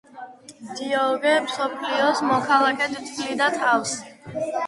დიოგენე „მსოფლიოს მოქალაქედ“ თვლიდა თავს.